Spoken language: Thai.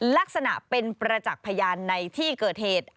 ลักษณะเป็นประจักษ์พยานในที่เกิดเหตุ